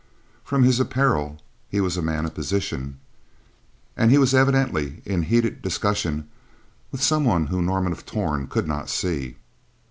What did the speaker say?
From his apparel, he was a man of position, and he was evidently in heated discussion with someone whom Norman of Torn could not see.